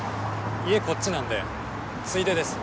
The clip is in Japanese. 家こっちなんでついでです